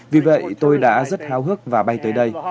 vì vậy tôi đã rất háo hức và bay tới đây